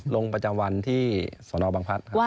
ลงประจำวันที่สนบังพัฒน์